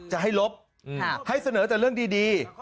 จะให้ลบให้เสนอแต่เรื่องดี